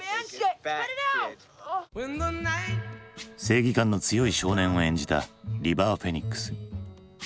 正義感の強い少年を演じたリバー・フェニックス。